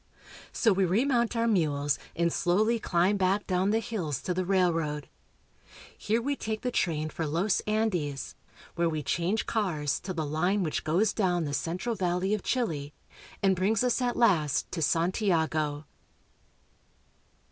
So we remount our mules and slowly climb back down the hills to the railroad. Here we take the train for Los Andes, where we change cars to the line which goes down the central valley of Chile and brings us at last to Santiago.